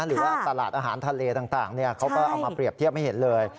หรือว่าตลาดอาหารทะเลต่างเขาก็เอามาเปรียบเทียบให้เห็นเลย